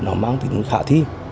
nó mang tính khả thi